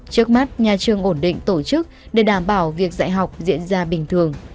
trước mắt nhà trường ổn định tổ chức để đảm bảo việc dạy học diễn ra bình thường